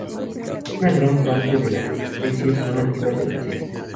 Una gran parte de las especies son nativas de Brasil.